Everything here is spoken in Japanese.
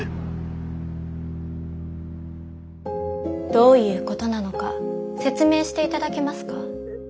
どういうことなのか説明して頂けますか？